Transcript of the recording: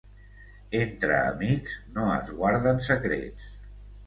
Entre amics, no es guarden secrets.